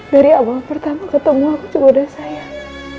dari awal pertama ketemu aku cukup dah sayang